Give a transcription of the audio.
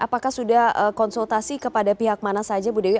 apakah sudah konsultasi kepada pihak mana saja bu dewi